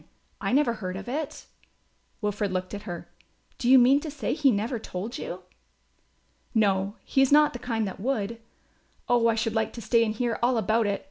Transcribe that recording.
I never heard of it." Wilfred looked at her. "Do you mean to say he never told you?" "No, he is not the kind that would. Oh, I should like to stay and hear all about it!